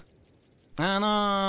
あの。